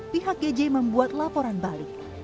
pihak gj membuat laporan balik